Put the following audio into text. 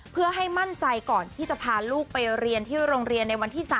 เพื่อให้มั่นใจก่อนที่จะพาลูกไปเรียนที่โรงเรียนในวันที่๓